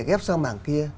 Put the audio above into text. ghép sang mảng kia